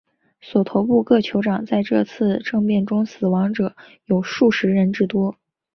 索头部各酋长在这次政变中死亡者有数十人之多。